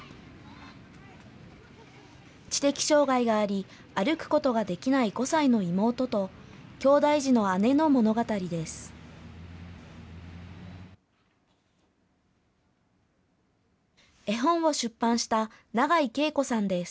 知的障害があり、歩くことができない５歳の妹と、きょうだい児の姉の物語です。